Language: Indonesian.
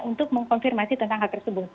untuk mengkonfirmasi tentang hal tersebut